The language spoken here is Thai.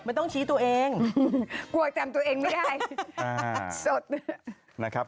มันต้องชี้ตัวเองกลัวจำตัวเองไม่ได้สดนะครับ